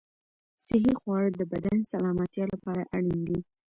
صحي خواړه د بدن سلامتیا لپاره اړین دي.